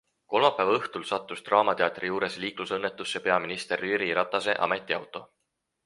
Kolmapäeva õhtul sattus Draamateatri juures liiklusõnnetusse peaminister Jüri Ratase ametiauto.